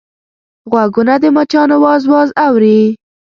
غوږونه د مچانو واز واز اوري